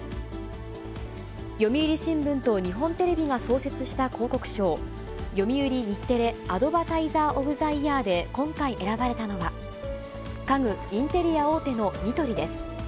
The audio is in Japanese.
読売新聞と日本テレビが創設した広告賞、読売・日テレアドバタイザー・オブ・ザ・イヤーで今回選ばれたのは、家具・インテリア大手のニトリです。